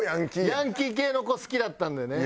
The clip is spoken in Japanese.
ヤンキー系の子好きだったのでね。